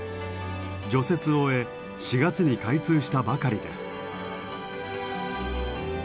除雪を終え４月に開通したばかりです。